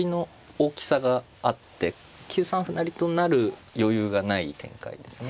大きさがあって９三歩成と成る余裕がない展開ですね。